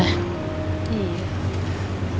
tante juga bingung